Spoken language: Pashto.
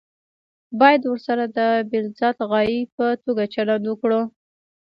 باید ورسره د بالذات غایې په توګه چلند وکړو.